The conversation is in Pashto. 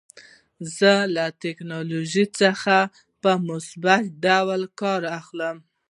زه له ټکنالوژۍ څخه په مثبت ډول کار اخلم.